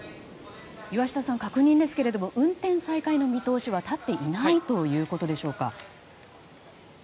岩下さん、確認ですけれど運転再開の見通しは立っていないということでしょうか。